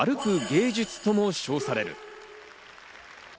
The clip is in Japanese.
芸術とも称される。